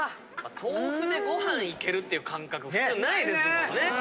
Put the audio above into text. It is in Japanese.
豆腐でご飯いけるっていう感覚普通無いですもんね。